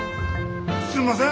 すんません